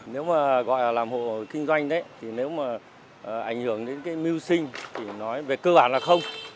nếu mà gọi là làm hộ kinh doanh đấy thì nếu mà ảnh hưởng đến cái mưu sinh thì nói về cơ bản là không